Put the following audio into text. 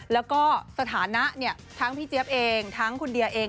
แล้วก็สถานะทั้งพี่เจี๊ยบเองทั้งคุณเดียเอง